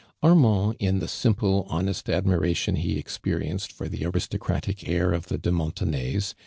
Ar mand, in the simple, honest admiration he experienced for the aristocratic heir of the lie Montenays.